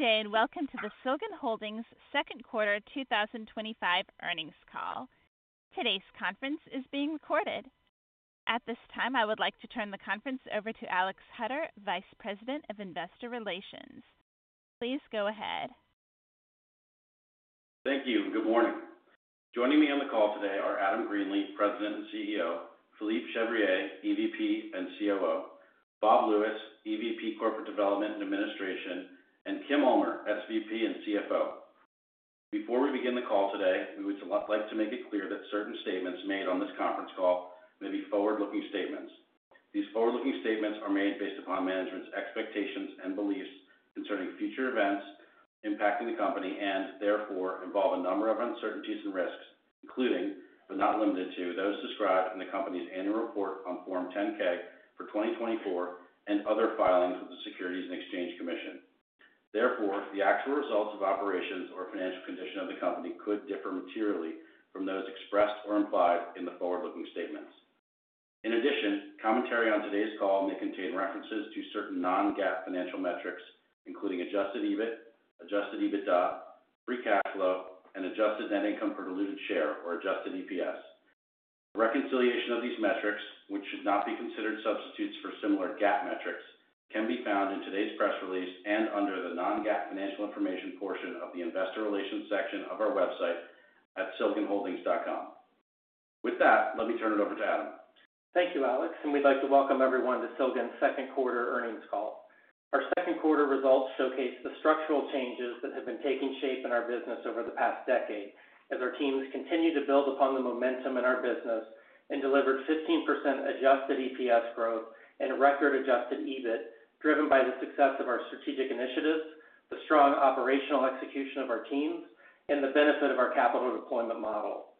Good day and welcome to the Silgan Holdings second quarter 2025 earnings call. Today's conference is being recorded. At this time, I would like to turn the conference over to Alex Hutter, Vice President of Investor Relations. Please go ahead. Thank you. Good morning. Joining me on the call today are Adam Greenlee, President and CEO, Philippe Chevrier, EVP and COO, Bob Lewis, EVP, Corporate Development and Administration, and Kim Ulmer, SVP and CFO. Before we begin the call today, we would like to make it clear that certain statements made on this conference call may be forward-looking statements. These forward-looking statements are made based upon management's expectations and beliefs concerning future events impacting the company and therefore involve a number of uncertainties and risks, including but not limited to those described in the Company's Annual Report on Form 10-K for 2024 and other filings with the Securities and Exchange Commission. Therefore, the actual results of operations or financial condition of the company could differ materially from those expressed or implied in the forward-looking statements. In addition, commentary on today's call may contain references to certain non-GAAP financial metrics, including Adjusted EBIT, Adjusted EBITDA, Free Cash Flow, and adjusted net income per diluted share or Adjusted EPS. Reconciliation of these metrics, which should not be considered substitutes for similar GAAP metrics, can be found in today's press release and under the Non-GAAP Financial Information portion of the Investor Relations section of our website at silganholdings.com. With that, let me turn it over to Adam. Thank you, Alex, and we'd like to welcome everyone to Silgan's second quarter earnings call. Our second quarter results showcase the structural changes that have been taking shape in our business over the past decade as our teams continue to build upon the momentum in our business and delivered 15% Adjusted EPS growth and record Adjusted EBIT driven by the success of our strategic initiatives, the strong operational execution of our teams, and the benefit of our capital deployment model.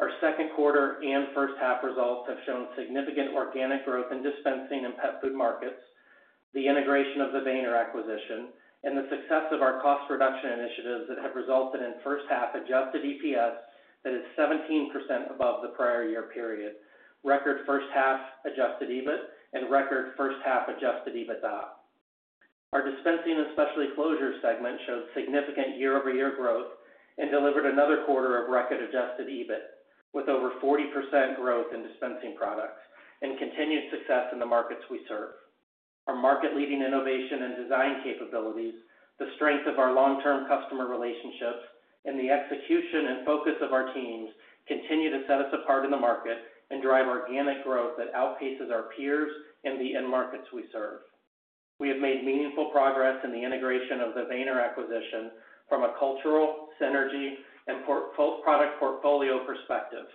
Our second quarter and first half results have shown significant organic growth in dispensing and pet food markets, the integration of the Weener acquisition, and the success of our cost reduction initiatives that have resulted in first half Adjusted EPS that is 17% above the prior year period, record first half Adjusted EBIT, and record first half Adjusted EBITDA. Our Dispensing and Specialty Closures segment showed significant year-over-year growth and delivered another quarter of record Adjusted EBIT, with over 40% growth in dispensing products and continued success in the markets we serve. Our market-leading innovation and design capabilities, the strength of our long-term customer relationships, and the execution and focus of our teams continue to set us apart in the market and drive organic growth that outpaces our peers and the end markets we serve. We have made meaningful progress in the integration of the Weener acquisition from a cultural, synergy, and product portfolio perspective,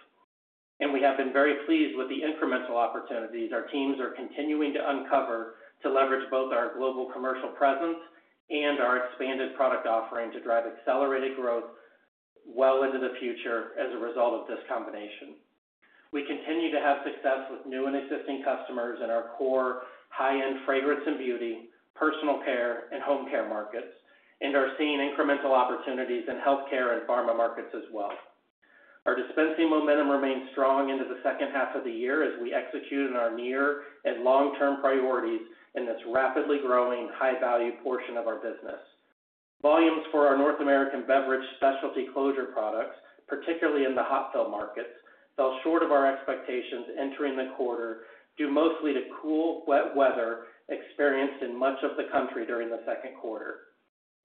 and we have been very pleased with the incremental opportunities our teams are continuing to uncover to leverage both our global commercial presence and our expanded product offering to drive accelerated growth well into the future. As a result of this combination, we continue to have success with new and existing customers in our core high-end fragrance and beauty, personal care, and home care markets and are seeing incremental opportunities in healthcare and pharma markets as well. Our dispensing momentum remains strong into the second half of the year as we execute on our near and long-term priorities in this rapidly growing high-value portion of our business. Volumes for our North American beverage specialty closure products, particularly in the hot fill markets, fell short of our expectations entering the quarter due mostly to cool, wet weather experienced in much of the country during the second quarter.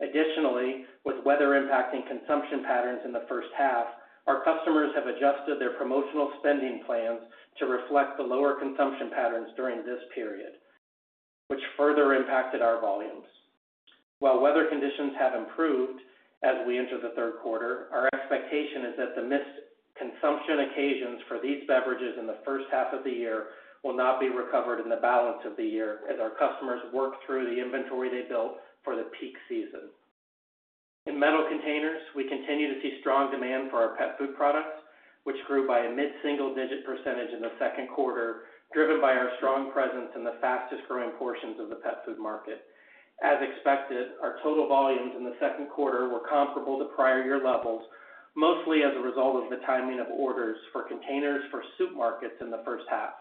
Additionally, with weather impacting consumption patterns in the first half, our customers have adjusted their promotional spending plans to reflect the lower consumption patterns during this period, which further impacted our volumes. While weather conditions have improved as we enter the third quarter, our expectation is that the missed consumption occasions for these beverages in the first half of the year will not be recovered in the balance of the year as our customers work through the inventory they built for the peak season. In Metal Containers, we continue to see strong demand for our pet food products, which grew by a mid-single digit percentage in the second quarter, driven by our strong presence in the fastest growing portions of the pet food market. As expected, our total volumes in the second quarter were comparable to prior year levels, mostly as a result of the timing of orders for containers for supermarkets in the first half.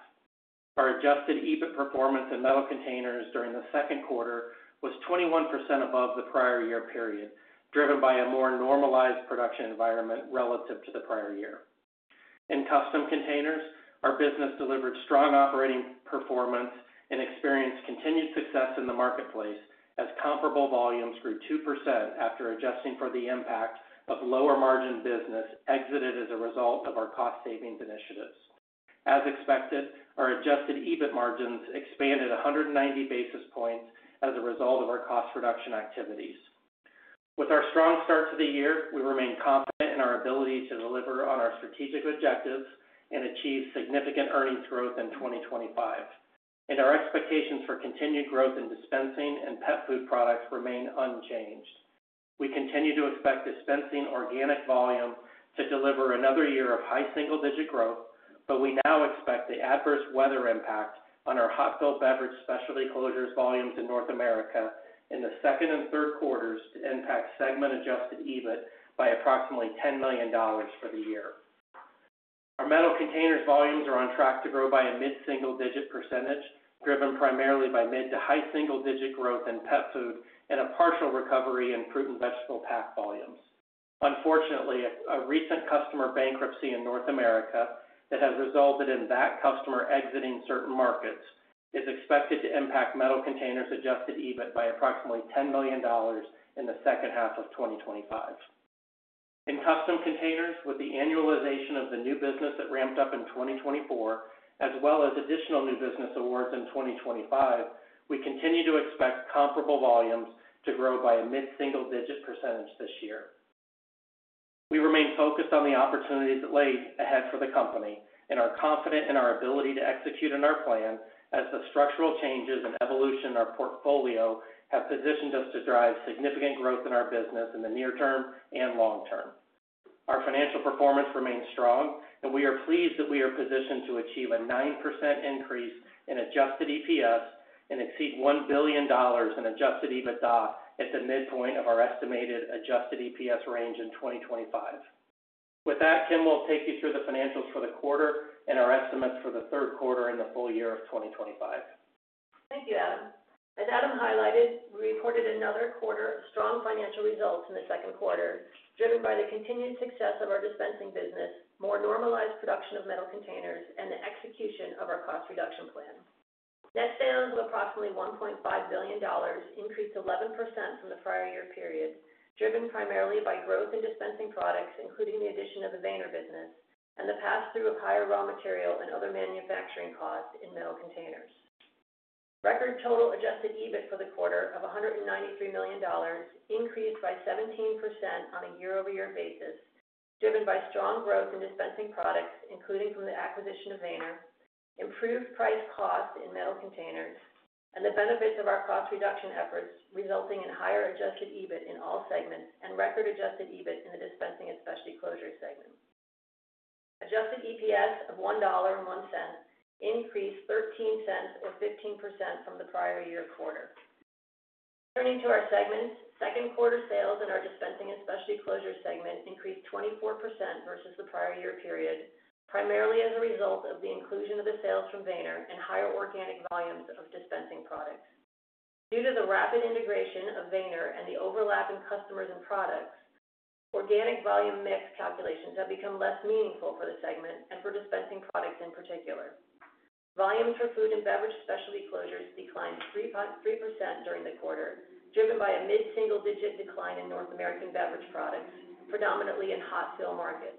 Our Adjusted EBIT performance in Metal Containers during the second quarter was 21% above the prior year period, driven by a more normalized production environment relative to the prior year. In Custom Containers, our business delivered strong operating performance and experienced continued success in the marketplace as comparable volumes grew 2% after adjusting for the impact of lower margin business exited as a result of our cost savings initiatives. As expected, our Adjusted EBIT margins expanded 190 basis points as a result of our cost reduction activities. With our strong start to the year, we remain confident in our ability to deliver on our strategic objectives and achieve significant earnings growth in 2025, and our expectations for continued growth in dispensing and pet food products remain unchanged. We continue to expect dispensing organic volume to deliver another year of high-single digit growth, but we now expect the adverse weather impact on our hot filled beverage specialty closures volumes in North America in the second and third quarters to impact segment Adjusted EBIT by approximately $10 million for the year. Our Metal Containers volumes are on track to grow by a mid-single digit percantage, driven primarily by mid to high-single digit growth in pet food and a partial recovery in fruit and vegetable pack volumes. Unfortunately, a recent customer bankruptcy in North America that has resulted in that customer exiting certain markets is expected to impact Metal Containers Adjusted EBIT by approximately $10 million in the second half of 2025 in Custom Containers. With the annualization of the new business that ramped up in 2024 as well as additional new business awards in 2025, we continue to expect comparable volumes to grow by a mid-single digit percent this year. We remain focused on the opportunities that lay ahead for the company and are confident in our ability to execute in our plan as the structural changes and evolution of our portfolio have positioned us to drive significant growth in our business in the near term and long term. Our financial performance remains strong, and we are pleased that we are positioned to achieve a 9% increase in Adjusted EPS and exceed $1 billion in Adjusted EBITDA at the midpoint of our estimated Adjusted EPS range in 2025. With that, Kim will take you through the financials for the quarter and our estimates for the third quarter and the full year of 2025. Thank you, Adam. As Adam highlighted, we reported another quarter of strong financial results in the second quarter driven by the continued success of our dispensing business, more normalized production of Metal Containers, and the execution of our cost reduction plan. Net sales of approximately $1.5 billion increased 11% from the prior year period, driven primarily by growth in dispensing products including the addition of the Weener business and the pass through of higher raw material and other manufacturing costs in Metal Containers. Record total Adjusted EBIT for the quarter of $193 million increased by 17% on a year-over-year basis, driven by strong growth in dispensing products including from the acquisition of Weener, improved price costs in Metal Containers, and the benefits of our cost reduction efforts resulting in higher Adjusted EBIT in all segments and record Adjusted EBIT in the Dispensing and Specialty Closures segment. Adjusted EPS of $1.01 increased $0.13 or 15% from the prior. Turning to our segments, second quarter sales in our Dispensing and Specialty Closures segment increased 24% versus the prior year period, primarily as a result of the inclusion of the sales from Weener and higher organic volumes of dispensing products. Due to the rapid integration of Weener and the overlap in customers and products, organic volume mix calculations have become less meaningful for the segment and for dispensing products in particular. Volumes for food and beverage specialty closures declined 3% during the quarter, driven by a mid-single digit decline in North American beverage products, predominantly in hot fill markets.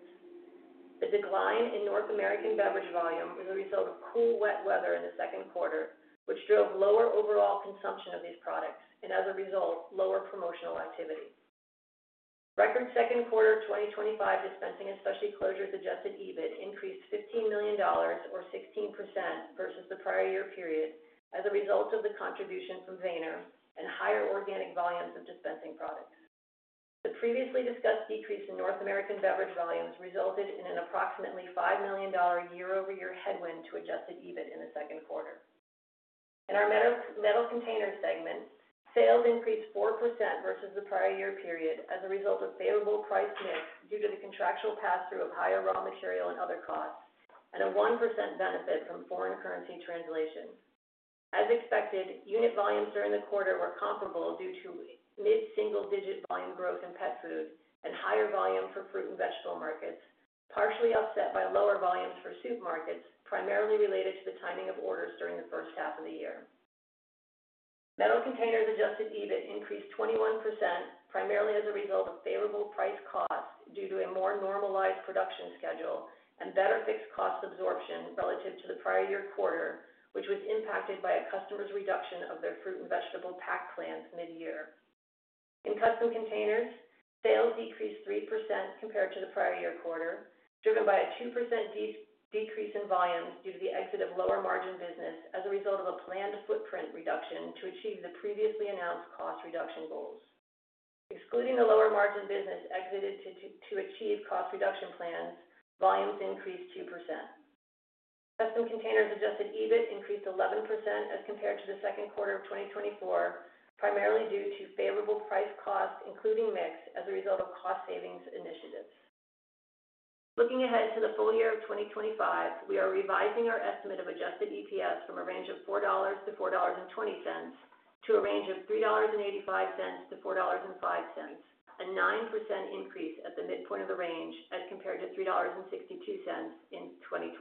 The decline in North American beverage volume was a result of cool, wet weather in the second quarter, which drove lower overall consumption of these products and, as a result, lower promotional activity. Record second quarter 2025 Dispensing and Specialty Closures Adjusted EBIT increased $15 million or 16% versus the prior as a result of the contribution from Weener and higher organic volumes of dispensing products. The previously discussed decrease in North American beverage volumes resulted in an approximately $5 million year-over-year headwind to Adjusted EBIT in the second quarter. In our Metal Containers segment, sales increased 4% versus the prior year period as a result of favorable price mix due to the contractual pass through of higher raw material and other costs and a 1% benefit from foreign currency translation. As expected, unit volumes during the quarter were comparable due to mid-single digit volume growth in pet food and higher volume for fruit and vegetable markets, partially offset by lower volumes for soup markets, primarily related to the timing of orders. During the first half of the year, Metal Containers Adjusted EBIT increased 21% primarily as a result of favorable price costs due to a more normalized production schedule and better fixed cost absorption relative to the prior year quarter, which was impacted by a customer's reduction of their fruit and vegetable pack plans. In Custom Containers, sales decreased 3% compared to the prior year quarter, driven by a 2% decrease in volumes due to the exit of lower margin business as a result of a planned footprint reduction to achieve the previously announced cost reduction goals. Excluding the lower margin business exited to achieve cost reduction plans, volumes increased 2%. Custom Containers Adjusted EBIT increased 11% as compared to the second quarter of 2024, primarily due to favorable price cost including mix as a result of cost savings initiatives. Looking ahead to the full year of 2025, we are revising our estimate of Adjusted EPS from a range of $4 to $4.20 to a range of $3.85 to $4.05, a 9% increase at the midpoint of the range as compared to $3.62 in 2024.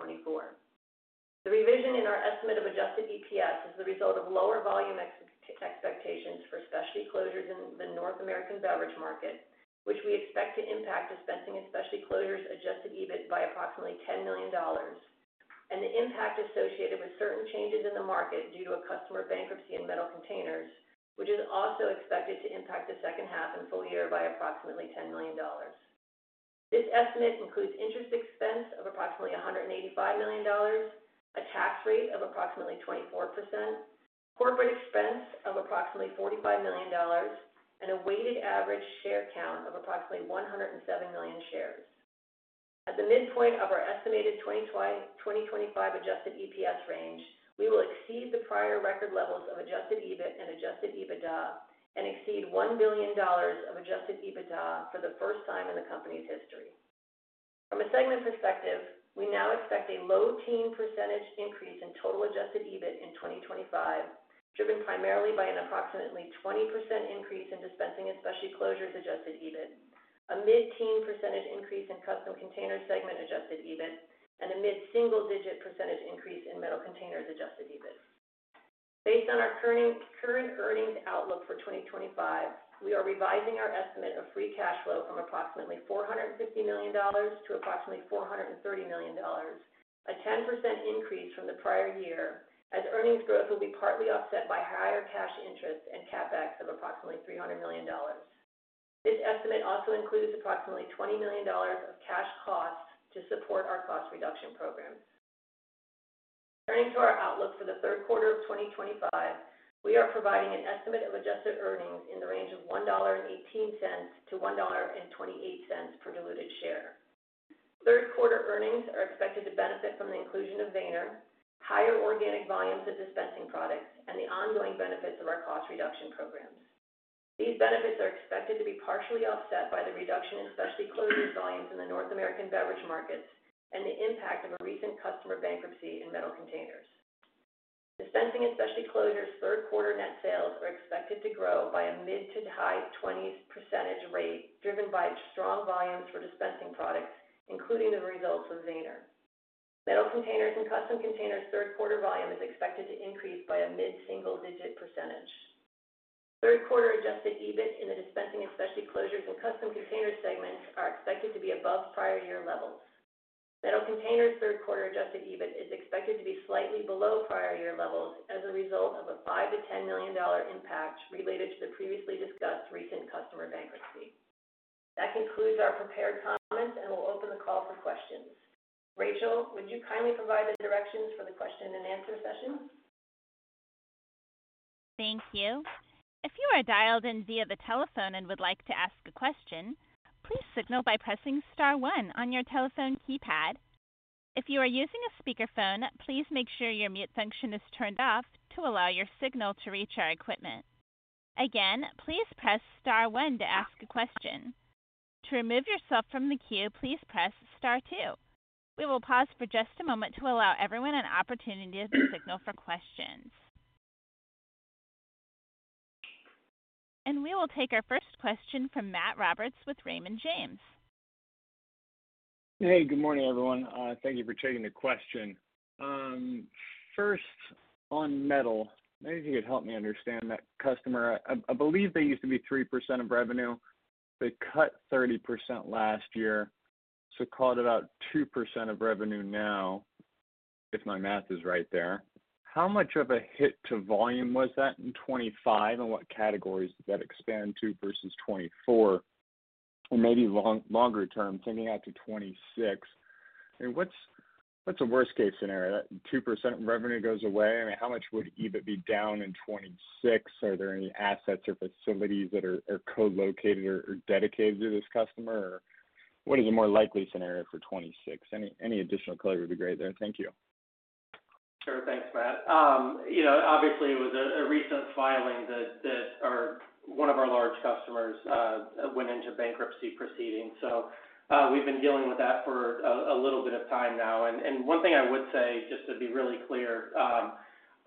The revision in our estimate of Adjusted EPS is the result of lower volume expectations for specialty closures in the North America beverage market, which we expect to impact Dispensing and Specialty Closures Adjusted EBIT by approximately $10 million, and the impact associated with certain changes in the market due to a customer bankruptcy in Metal Containers, which is also expected to impact the second half and full year by approximately $10 million. This estimate includes interest expense of approximately $185 million, a tax rate of approximately 24%, corporate expense of approximately $45 million, and a weighted average share count of approximately 107 million shares. At the midpoint of our estimated 2025 Adjusted EPS range, we will exceed the prior record levels of Adjusted EBIT and Adjusted EBITDA and exceed $1 billion of Adjusted EBITDA for the first time in the company's history. From a segment perspective, we now expect a low teen percentage increase in total Adjusted EBIT in 2025, driven primarily by an approximately 20% increase in Dispensing and Specialty Closures Adjusted EBIT, a mid teen percent increase in Custom Containers segment Adjusted EBIT, and a mid-single digit percentage increase in Metal Containers Adjusted EBITDA. Based on our current earnings outlook for 2025, we are revising our estimate of Free Cash Flow from approximately $450 million to approximately $430 million, a 10% increase from the prior year as earnings growth will be partly offset by higher cash interest and CapEx of approximately $300 million. This estimate also includes approximately $20 million of cash costs to support our cost reduction program. Turning to our outlook for the third quarter of 2025, we are providing an. Estimate of adjusted earnings in the range. Of $1.18 to $1.28 per diluted share. Third quarter earnings are expected to benefit from the inclusion of Weener, higher organic volumes of dispensing products, and the ongoing benefits of our cost reduction programs. These benefits are expected to be partially offset by the reduction in specialty closures volumes in the North America beverage markets and the impact of a recent customer bankruptcy in Metal Containers, Dispensing and Specialty Closures. Third quarter net sales are expected to grow by a mid to high 20% rate, driven by strong volumes for dispensing products, including the results of Weener, Metal Containers, and Custom Containers. Third quarter volume is expected to increase by a mid-single digit percentage. Third quarter Adjusted EBIT in the Dispensing and Specialty Closures and Custom Containers segments are expected to be above prior year levels. Metal Containers' third quarter Adjusted EBIT is expected to be slightly below prior year levels as a result of a $5 million to $10 million impact related to the previously discussed recent customer bankruptcy. That concludes our prepared comments and we'll open the call for questions. Rachel, would you kindly provide the directions for the question and answer session? Thank you. If you are dialed in via the telephone and would like to ask a question, please signal by pressing star one on your telephone keypad. If you are using a speakerphone, please make sure your mute function is turned off to allow your signal to reach our equipment. Again, please press star one to ask a question. To remove yourself from the queue, please press star two. We will pause for just a moment to allow everyone an opportunity to signal for questions, and we will take our first question from Matt Roberts with Raymond James. Hey, good morning everyone. Thank you for taking the question. First on metal, maybe if you could help me understand that customer. I believe they used to be 3% of revenue. They cut 30% last year, so call it about 2% of revenue. Now, if my math is right there. How much of a hit to volume was that in 2025 and what categories does that expand to versus 2024 and maybe longer term sending out to 2026? What's the worst case scenario? 2% revenue goes away? I mean, how much would EBIT be down in 2026? Are there any assets or facilities that are co-located or dedicated to this customer? What is a more likely scenario for 2026? Any additional color would be great there. Thank you. Sure. Thanks, Matt. Obviously, it was a recent filing that one of our large customers went into bankruptcy proceedings. We've been dealing with that for a little bit of time now. One thing I would say just to be really clear,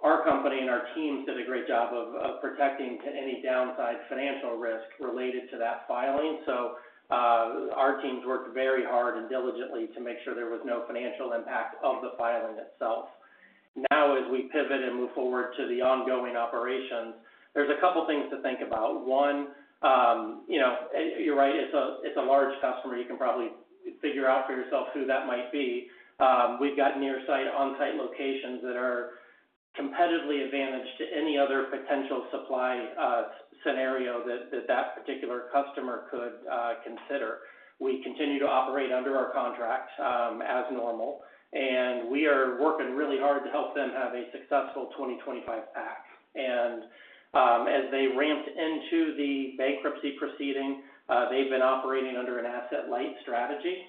our company and our teams did a great job of protecting any downside financial risk related to that filing. Our teams worked very hard and diligently to make sure there was no financial impact of the filing itself. Now, as we pivot and move forward to the ongoing operations, there's a couple things to think about. One, you're right, it's a large customer. You can probably figure out for yourself who that might be. We've got near site, on site locations that are competitively advantaged to any other potential supply scenario that that particular customer could consider. We continue to operate under our contract as normal and we are working really hard to help them have a successful 2025 pack. As they ramped into the bankruptcy proceeding, they've been operating under an asset-light strategy.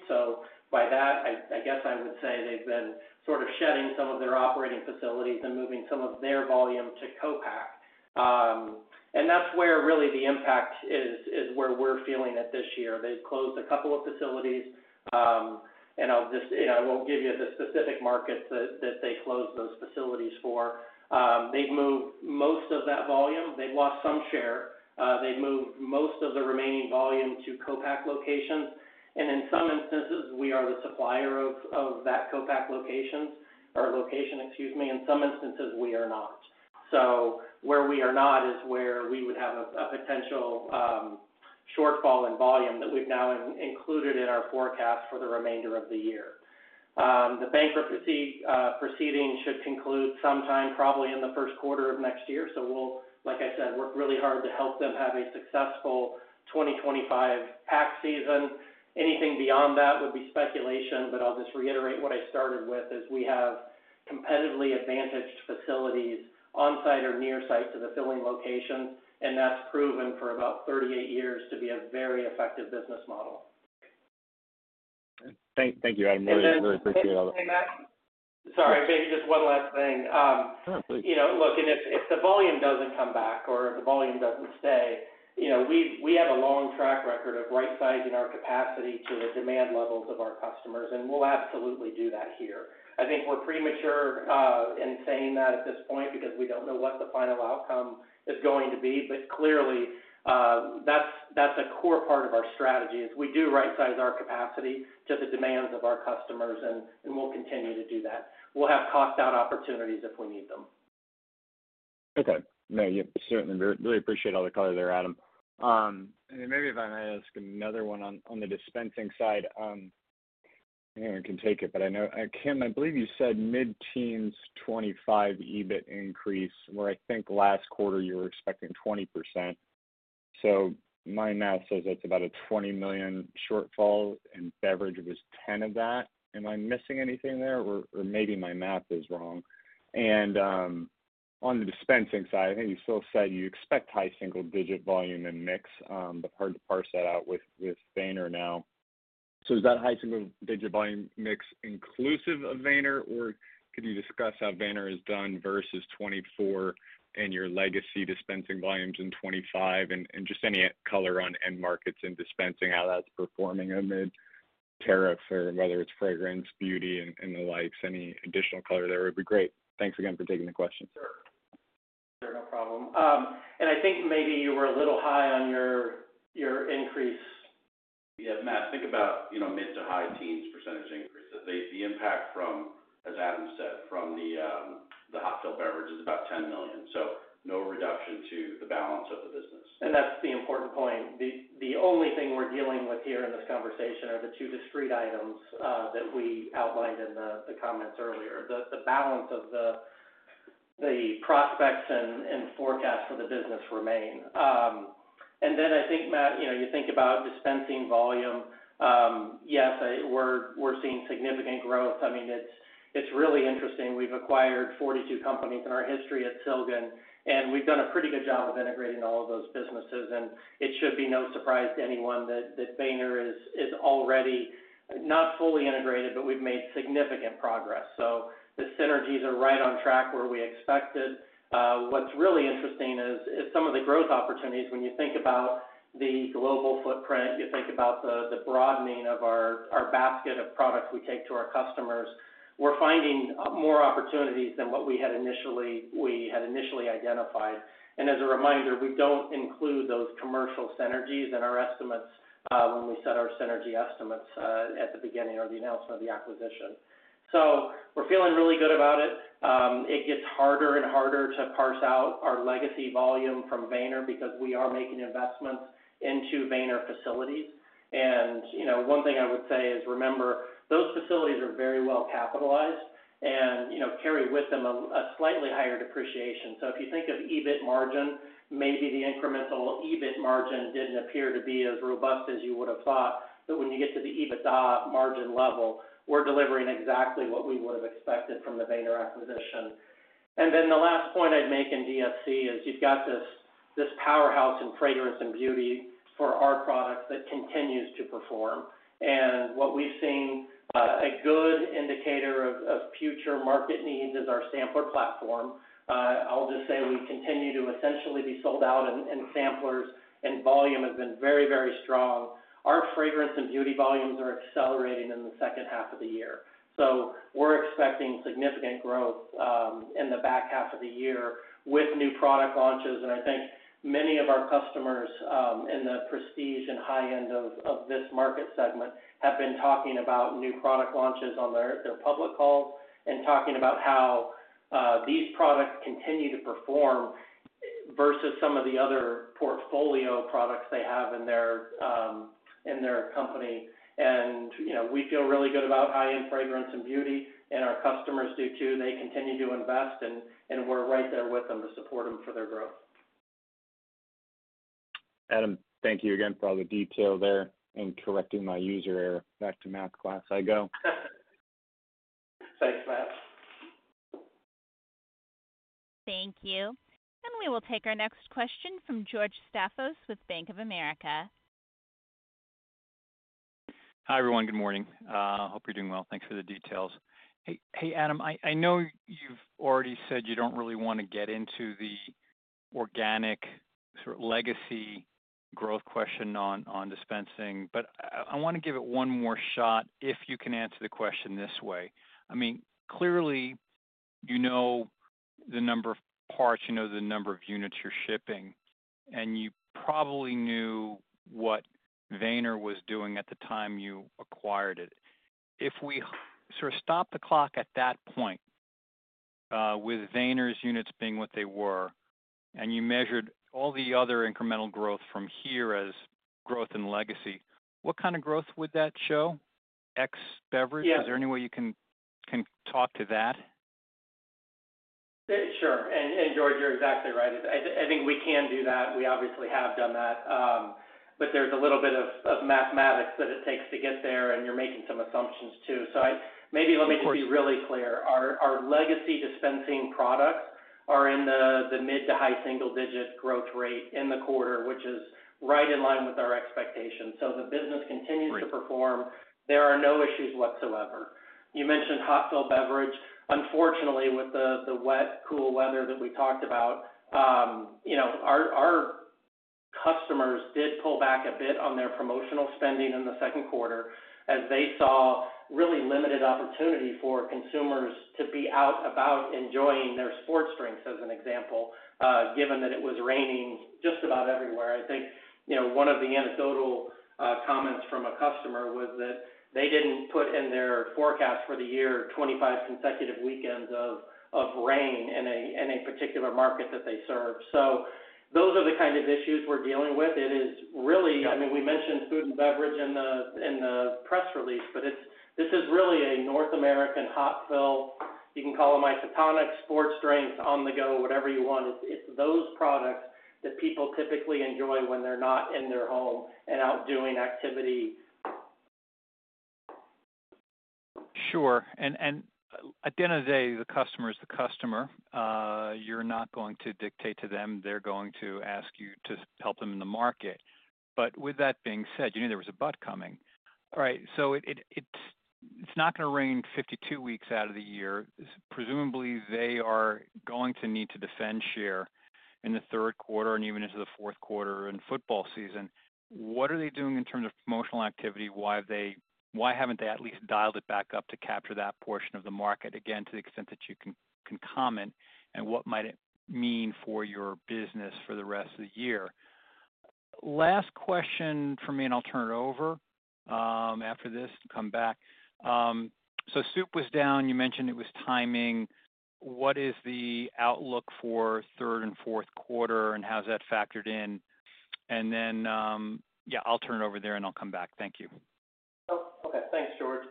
By that, I would say they've been sort of shedding some of their operating facilities and moving some of their volume to co-pack. That's where really the impact is, where we're feeling it this year. They closed a couple of facilities. I won't give you the specific markets that they closed those facilities for. They've moved most of that volume, they've lost some share. They moved most of the remaining volume to co-pack locations. In some instances, we are the supplier of that co-pack location. In some instances, we are not. Where we are not is where we would have a potential shortfall in volume that we've now included in our forecast for the remainder of the year. The bankruptcy proceedings should conclude sometime probably in the first quarter of next year. We will, like I said, work really hard to help them have a successful 2025 pack season. Anything beyond that would be speculation. I'll just reiterate what I started with: we have competitively advantaged facilities on site or near site to the filling locations, and that's proven for about 38 years to be a very effective business model. Thank you, Adam, really appreciate it. Hey Matt, sorry, maybe just one last thing. If the volume doesn't come back or the volume doesn't stay, we have a long track record of right sizing our capacity to the demand levels of our customers, and we'll absolutely do that here. I think we're premature in saying that at this point because we don't know what the final outcome is going to be. Clearly, that's a core part of our strategy, as we do right size our capacity to the demands of our customers, and we'll continue to do that. We'll have cost out opportunities if we need them. Okay. No, you certainly really appreciate all the color there, Adam. Maybe if I may ask another one on the dispensing side, anyone can take it, but I know, Kim, I believe you said mid teens 25% EBIT increase where I think last quarter you were expecting 20%. My math says that's about a $20 million shortfall and beverage was $10 million of that. Am I missing anything there? Or maybe my math is wrong. On the dispensing side, I think you still said you expect high-single digit volume and mix, but hard to parse that out with Weener now. Is that high-single digit volume mix inclusive of Weener or could you discuss how Weener has done versus 2024 and your legacy dispensing volumes in 2025 and just any color on end markets and dispensing, how that's performing amid tariffs or whether it's fragrance, beauty and the likes. Any additional color there would be great. Thanks again for taking the question. Sure, no problem. I think maybe you were a little high on your increase. Yeah, Matt, think about mid to high teens percentage increases. The impact from, as Adam said, from the hot fill beverage is about $10 million. No reduction to the balance of the business. That's the important point. The only thing we're dealing with here in this conversation are the two discrete items that we outlined in the comments earlier. The balance of the prospects and forecasts for the business remain. I think, Matt, you know, you think about dispensing volume. Yes, we're seeing significant growth. I mean it's really interesting. We've acquired 42 companies in our history at Silgan and we've done a pretty good job of integrating all of those businesses. It should be no surprise to anyone that Weener is already not fully integrated, but we've made significant progress. The synergies are right on track where we expected. What's really interesting is some of the growth opportunities. When you think about the global footprint, you think about the broadening of our basket of products we take to our customers. We're finding more opportunities than what we had initially identified. As a reminder, we don't include those commercial synergies in our estimates when we set our synergy estimates at the beginning of the announcement of the acquisition. We're feeling really good about it. It gets harder and harder to parse out our legacy volume from Weener because we are making investments into Weener facilities. One thing I would say is remember those facilities are very well capitalized and carry with them a slightly higher depreciation. If you think of EBIT margin, maybe the incremental EBIT margin didn't appear to be as robust as you would have thought. When you get to the EBITDA margin level, we're delivering exactly what we would have expected from the Weener acquisition. The last point I'd make in Dispensing and Specialty Closures is you've got this powerhouse in fragrance and beauty for our products that continues to perform. What we've seen, a good indicator of future market needs, is our sampler platform. I'll just say we continue to essentially be sold out in samplers and volume has been very, very strong. Our fragrance and beauty volumes are accelerating in the second half of the year, so we're expecting significant growth in the back half of the year with new product launches. I think many of our customers in the prestige and high end of this market segment have been talking about new product launches on their public calls and talking about how these products continue to perform versus some of the other portfolio products they have in their company. We feel really good about high end fragrance and beauty and our customers do too. They continue to invest and we're right there with them to support them for their growth. Adam, thank you again for all the detail there and correcting my user error. Back to math class I go. Thanks Matt. Thank you. We will take our next question from George Staphos with Bank of America. Hi everyone. Good morning. Hope you're doing well. Thanks for the details. Hey Adam, I know you've already said you don't really want to get into the organic legacy growth question on dispensing, but I want to give it one more shot if you can answer the question this way. I mean, clearly you know the number of parts, you know the number of units you're shipping and you probably knew what Weener was doing at the time you acquired it. If we sort of stopped the clock at that point with Weener's units being what they were, and you measured all the other incremental growth from here as growth in legacy, what kind of growth would that show? X beverage? Is there any way you can talk to that? Sure. George, you're exactly right. I think we can do that. We obviously have done that. There's a little bit of mathematics that it takes to get there and you're making some assumptions too. Maybe let me just be really clear. Our legacy dispensing products are in the mid to high-single digit growth rate in the quarter, which is right in line with our expectations. The business continues to perform. There are no issues whatsoever. You mentioned hot fill beverage. Unfortunately, with the wet, cool weather that we talked about, our customers did pull back a bit on their promotional spending in the second quarter as they saw really limited opportunity for consumers to be out about enjoying their sports drinks. As an example, given that it was raining just about everywhere, I think one of the anecdotal comments from a customer was that they didn't put in their forecast for the year, 25 consecutive weekends of rain in a particular market that they serve. Those are the kind of issues we're dealing with. We mentioned food and beverage in the press release, but this is really a North American hot fill. You can call them isotonics, sports drinks on the go, whatever you want. It's those products that people typically enjoy when they're not in their home and out doing activity. Sure. At the end of the day, the customer is the customer. You're not going to dictate to them. They're going to ask you to help them in the market. With that being said, you knew there was a but coming. All right, it's not going to rain 52 weeks out of the year. Presumably, they are going to need to defend share in the third quarter and even into the fourth quarter in football season. What are they doing in terms of promotional activity? Why haven't they at least dialed it back up to capture that portion of the market again to the extent that you can comment? What might it mean for your business for the rest of the year? Last question for me and I'll turn it over after this. Soup was down. You mentioned it was timing. What is the outlook for third and fourth quarter and how's that factored in? I'll turn it over there and I'll come back. Thank you. Okay, thanks, George.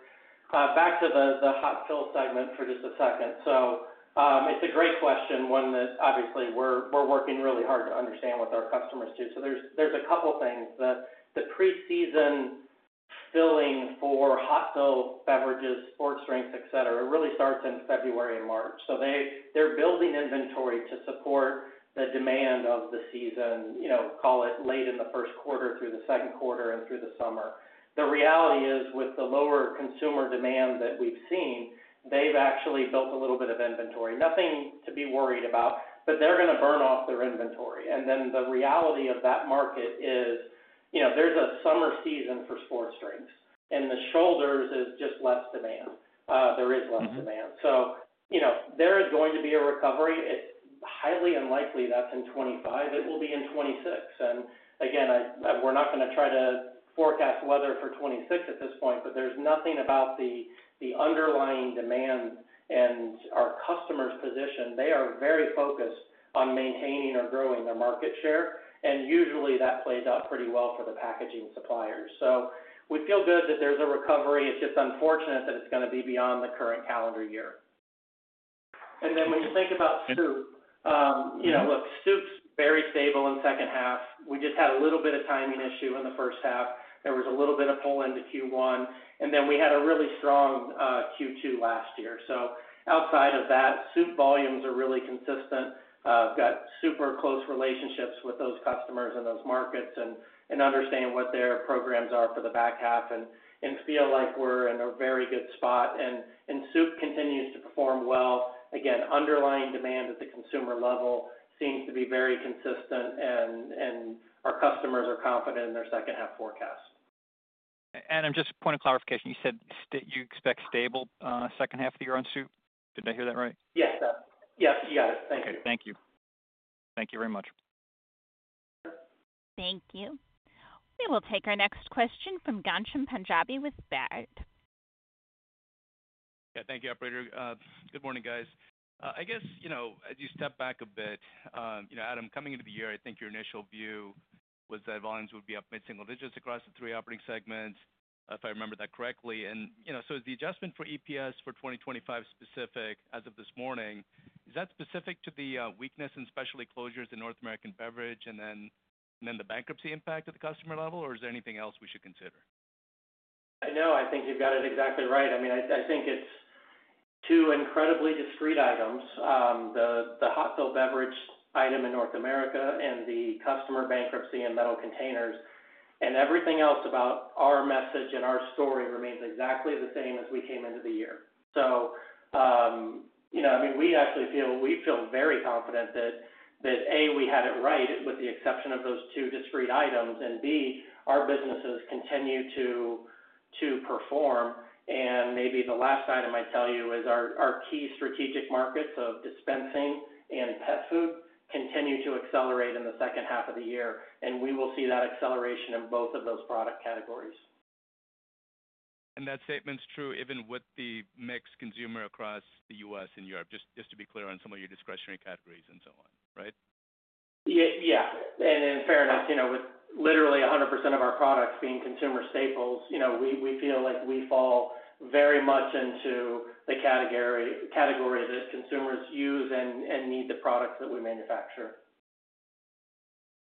Back to the hot fill segment for just a second. It's a great question, one that obviously we're working really hard to understand what our customers do. There's a couple things. The preseason filling for hot fill beverages, sports drinks, et cetera, really starts in February and March. They're building inventory to support the demand of the season, call it late in the first quarter, through the second quarter and through the summer. The reality is with the lower consumer demand that we've seen, they've actually built a little bit of inventory. Nothing to be worried about, but they're going to burn off their inventory. The reality of that market is there's a summer season for sports drinks and the shoulders is just less demand. There is less demand. You know there is going to be a recovery. It's highly unlikely that's in 2025, it will be in 2026. Again, we're not going to try to forecast weather for 2026 at this point. There's nothing about the underlying demand and our customers' position. They are very focused on maintaining or growing their market share and usually that plays out pretty well for the packaging suppliers. We feel good that there's a recovery. It's just unfortunate that it's going to be beyond the current calendar year. When you think about soup, look, soup's very stable in the second half. We just had a little bit of timing issue in the first half. There was a little bit of pull into Q1 and then we had a really strong Q2 last year. Outside of that, soup volumes are really consistent. Got super close relationships with those customers in those markets and understand what their programs are for the back half and feel like we're in a very good spot. Soup continues to perform well. Again, underlying demand at the consumer level seems to be very consistent and our customers are confident in their second half forecast. Adam, just point of clarification. You said you expect stable second half of the year on soup. Did I hear that right? Yes, yes, you got it. Thank you. Thank you. Thank you very much. Thank you. We will take our next question from Ghansham Panjabi with Baird. Thank you, operator. Good morning, guys. As you step back a bit, Adam, coming into the year, I think your initial view was that volumes would be up mid-single digits across the three operating segments, if I remember that correctly. Is the adjustment for EPS for 2025 specific as of this morning? Is that specific to the weakness in specialty closures in North American beverage and the bankruptcy impact at the customer level, or is there anything else we should consider? No, I think you've got it exactly right. I think it's two incredibly discrete items, the hot filled beverage item in North America and the customer bankruptcy in Metal Containers, and everything else about our message and our story remains exactly the same as we came into the year. We actually feel very confident that A, we had it right with the exception of those two discrete items, and B, our businesses continue to perform. Maybe the last item I tell you is our key strategic markets of dispensing and pet food continue to accelerate in the second half of the year. We will see that acceleration in both of those product categories. That statement's true even with the mixed consumer across the U.S. and Europe, just to be clear on some of your discretionary categories and so on. Right. Yeah. In fairness, with literally 100% of our products being consumer staples, we feel like we fall very much into the category that consumers use and need the products that we manufacture.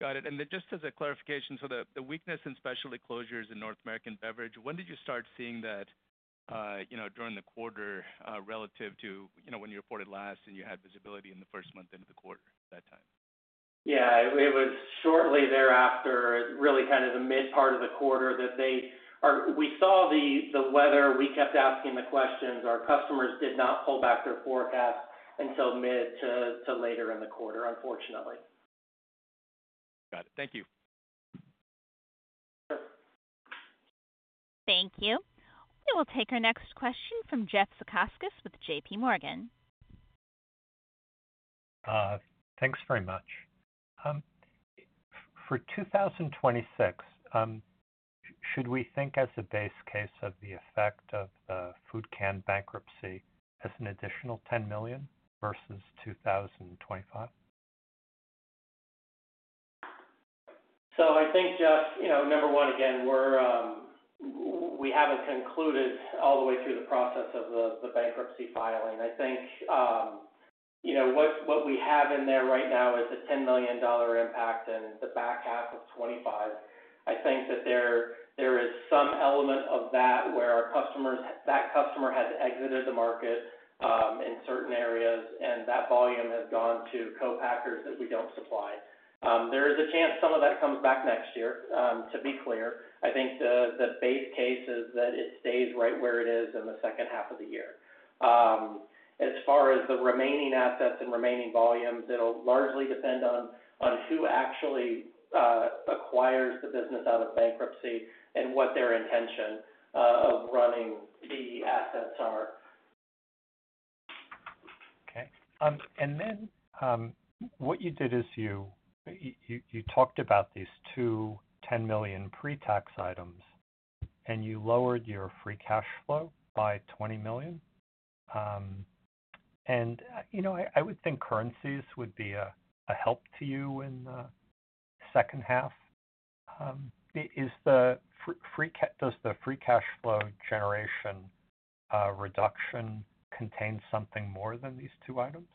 Got it. Just as a clarification, the weakness in specialty closures in North American beverage, when did you start seeing that during the quarter relative to when you reported last, and you had visibility in the first month into the quarter that time? Yeah, it was shortly thereafter, really kind of the mid part of the quarter that we saw the weather. We kept asking the questions. Our customers did not pull back their forecast until mid to later in the quarter, unfortunately. Got it. Thank you. Thank you. We will take our next question from Jeff Zekauskas with JPMorgan. Thanks very much. For 2026, should we think as a base case of the effect of the food can bankruptcy as an additional $10 million versus 2025. I think, Jeff, number one, we haven't concluded all the way through the process of the bankruptcy filing. I think what we have in there right now is a $10 million impact in the back half of 2025. I think that there is some element of that where that customer has exited the market in certain areas and that volume has gone to co-packers that we don't supply. There is a chance some of that comes back next year. To be clear, I think the base case is that it stays right where it is in the second half of the year. As far as the remaining assets and remaining volumes, it will largely depend on who actually acquires the business out of bankruptcy and what their intention of running the assets are. Okay, what you did is you talked about these two $10 million pre-tax items, and you lowered your Free Cash Flow by $20 million. I would think currencies would be a help to you in the second half. Does the Free Cash Flow generation reduction contain something more than these two items?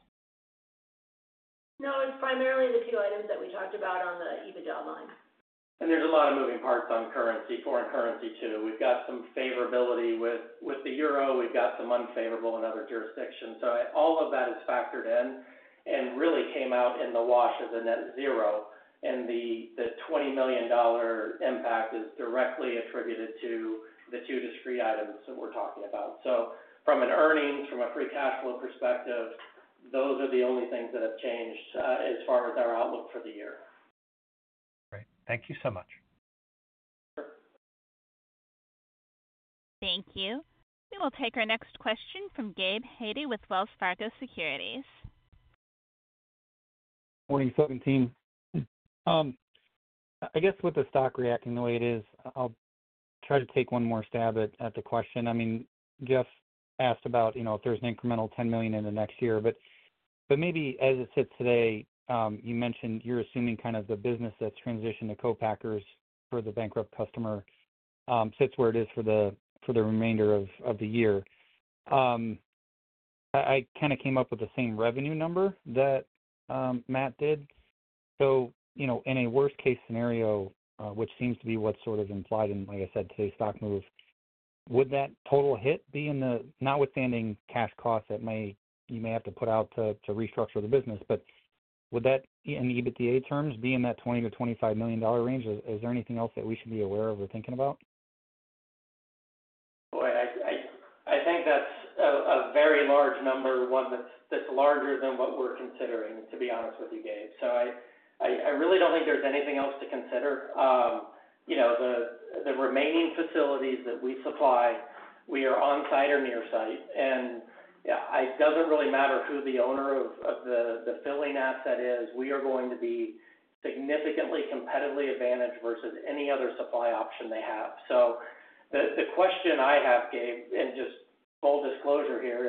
No, it's primarily the two items that we talked about on the EBITDA line. There are a lot of moving parts on currency, foreign currency too. We have some favorability with the euro, and we have some unfavorable in other jurisdictions. All of that is factored in and really came out in the wash as a net zero. The $20 million impact is directly attributed to the two discrete items that we are talking about. From an earnings and a Free Cash Flow perspective, those are the only things that have changed as far as our outlook for the year. Great. Thank you so much. Thank you. We will take our next question from Gabe Hajde with Wells Fargo Securities. Morning team. I guess with the stock reacting the way it is, I'll try to take one more stab at the question. Jeff asked about, you know, if there's an incremental $10 million in the next year. Maybe as it sits today, you mentioned you're assuming kind of the business that's transitioned to co-packers for the bankrupt customer sits where it is for the remainder of the year. I kind of came up with the same revenue number that Matt did. In a worst case scenario, which seems to be what's sort of implied in, like I said, today's stock move, would that total hit be, notwithstanding cash costs that you may have to put out to restructure the business, would that in EBITDA terms be in that $20 to $25 million range? Is there anything else that we should be aware of or thinking about? I think that's a very large number, one that's larger than what we're considering, to be honest with you, Gabe. I really don't think there's anything else to consider. The remaining facilities that we supply, we are on site or near site, and it doesn't really matter who the owner of the filling asset is. We are going to be significantly competitively advantaged versus any other supply option they have. The question I have, Gabe, and just full disclosure here,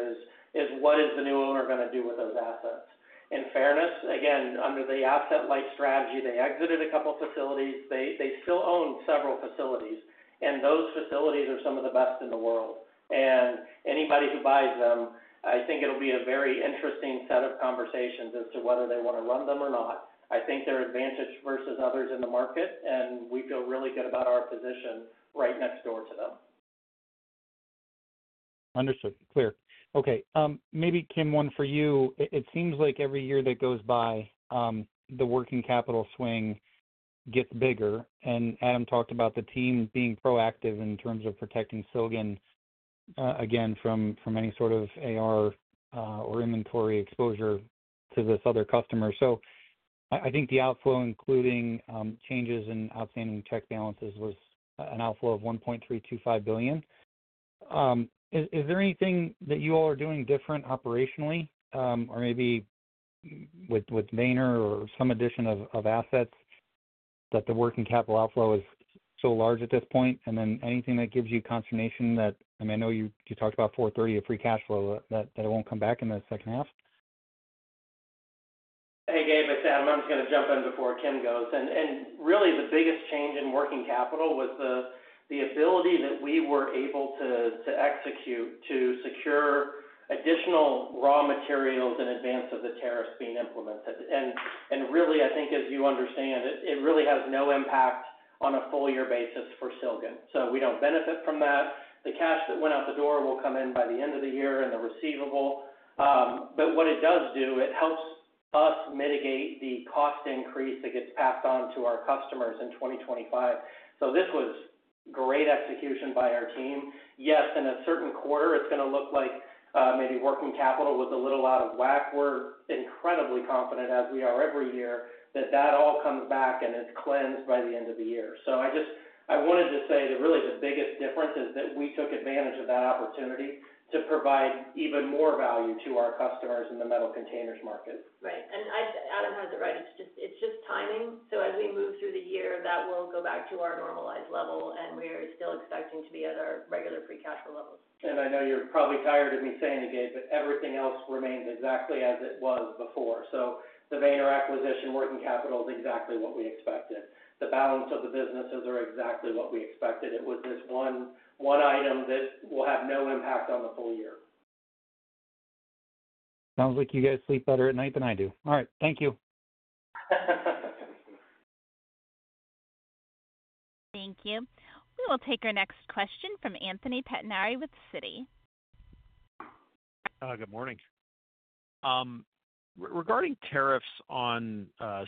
is what is the new owner going to do with those assets? In fairness, again, under the asset light strategy, they exited a couple facilities. We still own several facilities, and those facilities are some of the best in the world, and anybody who buys them, I think it'll be a very interesting set of conversations as to whether they want to run them or not. I think they're advantaged versus others in the market, and we feel really good about our position right next door to them. Understood? Clear. Okay, maybe Kim, one for you. It seems like every year that goes by, the working capital swing gets bigger. Adam talked about the team being proactive in terms of protecting Silgan again from any sort of AR or inventory exposure to this other customer. I think the outflow, including changes in outstanding check balances, was an outflow of $1.325 billion. Is there anything that you all are doing different operationally or maybe with Weener or some addition of assets that the working capital outflow is so large at this point, and anything that gives you consternation that, I mean, I know you talked about $430 million of Free Cash Flow, that it won't come back in the second half? Hey Gabe, it's Adam. I'm just going to jump in before Kim goes. Really, the biggest change in working capital was the ability that we were able to execute, to secure additional raw materials in advance of the tariffs being implemented. I think as you understand, it really has no impact on a full year basis for Silgan. We don't benefit from that. The cash that went out the door will come in by the end of the year and the receivable. What it does do, it helps us mitigate the cost increase that gets passed on to our customers in 2025. This was great execution by our team. Yes, in a certain quarter it's going to look like maybe working capital was a little out of whack. We're incredibly confident as we are every year that that all comes back and it's cleansed by the end of the year. I just wanted to say that really the biggest difference is that we took advantage of that opportunity to provide even more value to our customers in the Metal Containers market. Right. Adam has it right. It's just timing. As we move through the year, that will go back to our normalized level, and we are still expecting to be at our regular Free Cash Flow levels. I know you're probably tired of me saying it, Gabe, but everything else remains exactly as it was before. The Weener acquisition, working capital is exactly what we expected. The balance of the businesses are exactly what we expected. It was this one item that will have no impact on the full year. Sounds like you guys sleep better at night than I do. All right, thank you. Thank you. We will take our next question from Anthony Pettinari with Citi. Good morning. Regarding tariffs on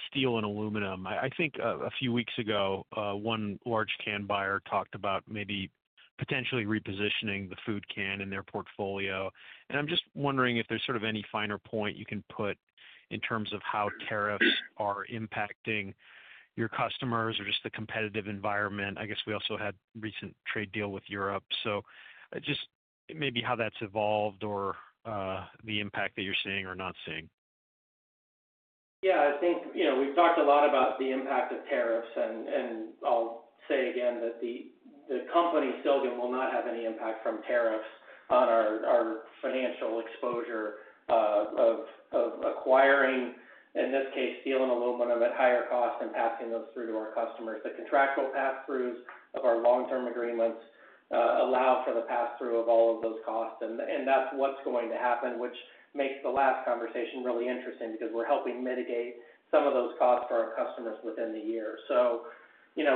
steel and aluminum, I think a few weeks ago one large can buyer talked about maybe potentially repositioning the food can in their portfolio. I'm just wondering if there's any finer point you can put in terms of how tariffs are impacting your customers or just the competitive environment. We also had a recent trade deal with Europe, so just maybe how that's evolved or the impact that you're seeing or not seeing. Yeah, I think, you know, we've talked a lot about the impact of tariffs, and I'll say again that the company Silgan will not have any impact from tariffs on our financial exposure of acquiring, in this case, steel and aluminum at higher cost and passing those through to our customers. The contractual pass-throughs of our long-term agreements allow for the pass-through of all of those costs, and that's what's going to happen, which makes the last conversation really interesting because we're helping mitigate some of those costs for our customers within the year.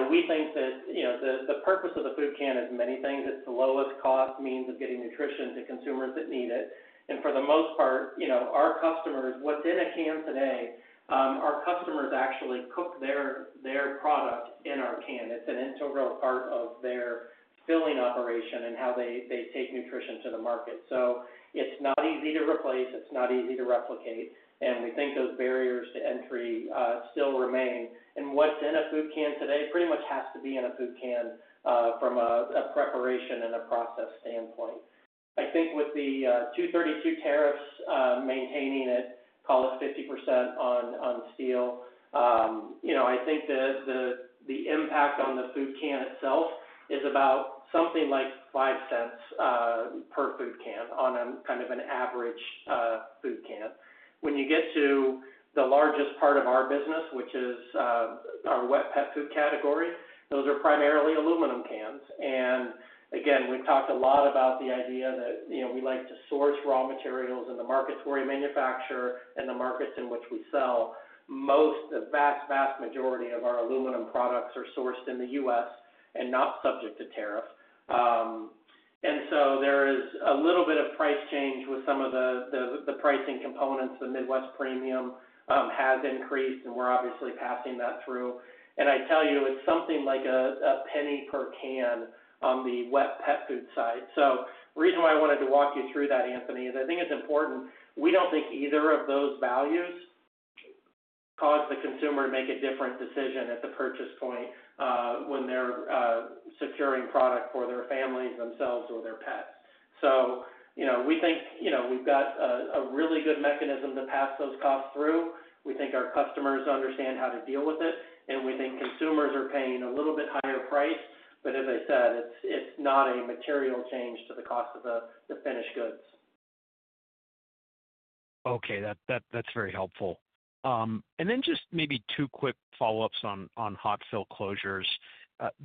We think that the purpose of the food can is many things. It's the lowest cost means of getting nutrition to consumers that need it. For the most part, our customers within a can today, our customers actually cook their product in our can. It's an integral part of their filling operation and how they take nutrition to the market. It's not easy to replace, it's not easy to replicate. We think those barriers to entry still remain. What's in a food can today pretty much has to be in a food can from a preparation and a process standpoint. I think with the 232 tariffs maintaining it, call it 50% on steel. I think that the impact on the food can itself is about something like $0.05 per food can on kind of an average food can. When you get to the largest part of our business, which is our Wet Pet Food category, those are primarily aluminum cans. Again, we've talked a lot about the idea that we like to source raw materials in the market where we manufacture and the markets in which we sell most. The vast, vast majority of our aluminum products are sourced in the U.S. and not subject to tariff. There is a little bit of price change with some of the pricing components. The Midwest Premium has increased, and we're obviously passing that through. I tell you, it's something like $0.01 per can on the Wet Pet Food side. The reason why I wanted to walk you through that, Anthony, is I think it's important. We don't think either of those values cause the consumer to make a different decision at the purchase point when they're securing product for their families, themselves, or their pets. We think we've got a really good mechanism to pass those costs through. We think our customers understand how to deal with it, and we think consumers are paying a little bit higher price, but as I said, it's not a material change to the cost of the finished goods. Okay, that's very helpful. Just maybe two quick follow-ups on Hot Fill Closures.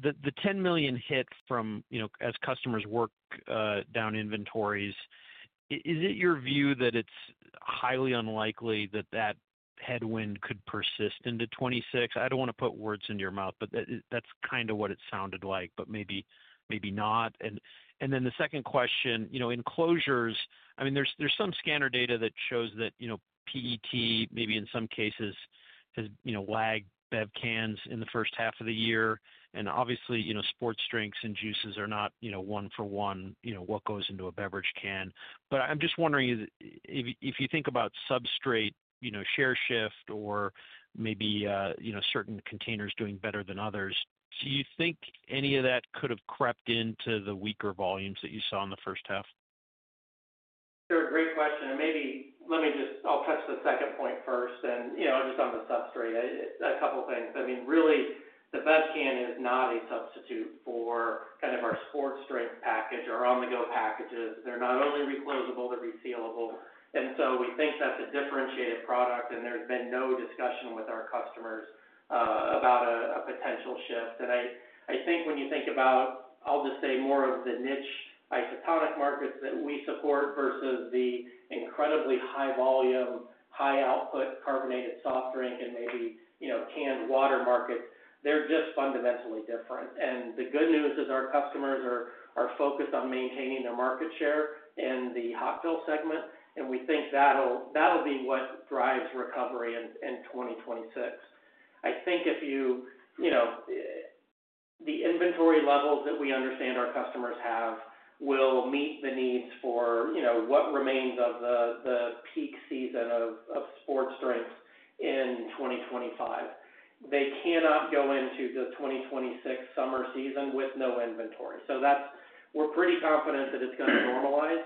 The $10 million hit from, you know, as customers work down inventories. Is it your view that it's highly unlikely that that headwind could persist into 2026? I don't want to put words in your mouth, but that's kind of what it sounded like, but maybe not. The second question, in closures, there's some scanner data that shows that pet maybe in some cases has lagged bev cans in the first. Half of the year. Obviously, sports drinks and juices are not one for one what goes into a beverage can. I'm just wondering if you, about substrate share shift or maybe certain containers doing better than others, do you think any of that could have crept into the weaker volumes that you saw in the first half? Sure. Great question. Maybe let me just, I'll touch the second point first and just on the substrate, a couple things. I mean, really the best can is not a substitute for kind of our sports strength package, our on-the-go packages. They're not only reclosable, they're. We think that's a differentiated product. There's been no discussion with our customers about a potential shift. I think when you think about, I'll just say more of the niche isotonic markets that we support versus the incredibly high volume, high output carbonated soft drink and maybe canned water markets, they're just fundamentally different. The good news is our customers are focused on maintaining their market share in the coktail segment. We think that'll be what drives recovery in 2026. If you, you know, the inventory levels that we understand our customers have will meet the needs for what remains of the peak season of sports drinks in 2025. They cannot go into the 2026 summer season with no inventory. We're pretty confident that it's going to normalize.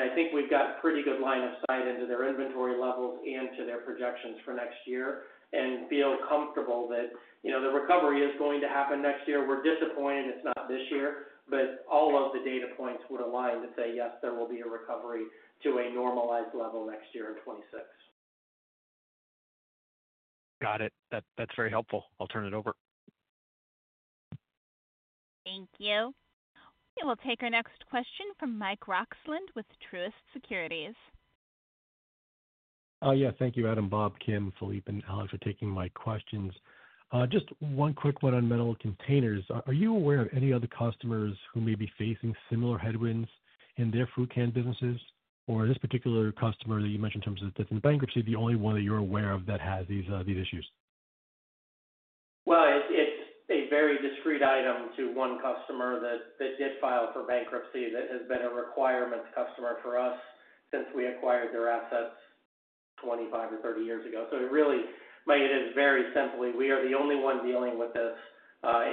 I think we've got pretty good line of sight into their inventory levels and to their projections for next year and feel comfortable that the recovery is going to happen next year. We're disappointed it's not this year, but all of the data points would align to say, yes, there will be a recovery to a normalized level next year in 2026. Got it. That's very helpful. I'll turn it over. Thank you. We'll take our next question from Mike Roxland with Truist Securities. Thank you, Adam, Bob, Kim, Philippe, and Alex for taking my questions. Just one quick one on Metal Containers. Are you aware of any other customers who may be facing similar headwinds in their fruit can businesses, or is this particular customer that you mentioned in terms of bankruptcy the only one that you're aware of that has these issues? It is a very discreet item to one customer that did file for bankruptcy that has been a requirement customer for us since we acquired their assets 25 or 30 years ago. It really made it very simple. We are the only one dealing with this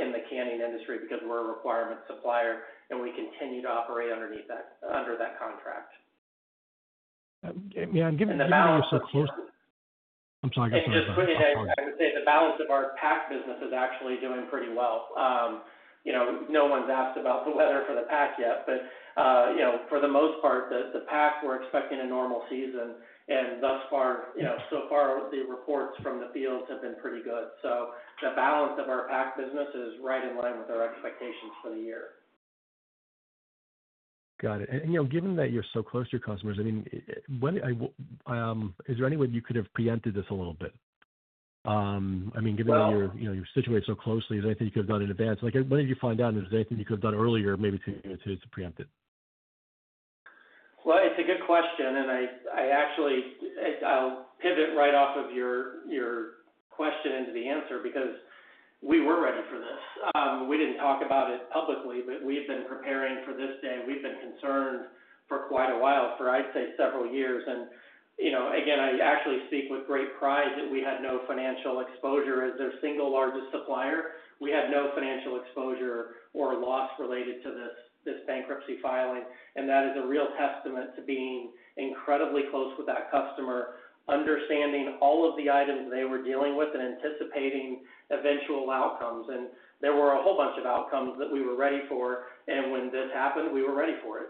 in the canning industry because we're a requirement supplier, and we continue to operate under that contract. May I give. I would say the balance of our pack business is actually doing pretty well. No one's asked about the weather for the pack yet, but for the most part, the pack, we're expecting a normal season. Thus far, the reports from the fields have been pretty good. The balance of our pack business is right in line with our expectations for the year. Got it. Given that you're so close to your customers, I mean. Is. there any way you could have preempted this a little bit? I mean, given that you're situated so closely, is there anything you could have done in advance? When did you find out if there's anything you could have done earlier, maybe to preempt it? It's a good question and I actually, I'll pivot right off of your question into the answer because we were ready for this. We didn't talk about it publicly, but we've been preparing for this day. We've been consistent, concerned for quite a while, for I'd say several years. You know, again, I actually speak with great pride that we had no financial exposure as their single largest supplier. We had no financial exposure or loss related to this bankruptcy filing. That is a real testament to being incredibly close with that customer, understanding all of the items they were dealing with, and anticipating eventual outcomes. There were a whole bunch of outcomes that we were ready for. When this happened, we were ready for it.